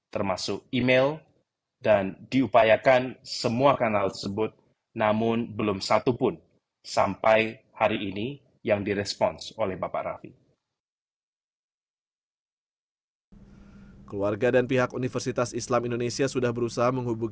termasuk email dan diupayakan semua kanal tersebut